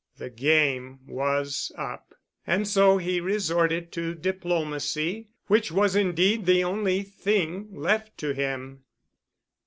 The game was up. And so he resorted to diplomacy, which was indeed the only thing left to him.